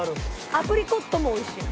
アプリコットもおいしいの。